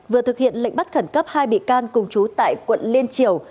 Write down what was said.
vừa thực hiện lệnh bắt khẩn cấp hai bị can cùng chú tại quận liên triều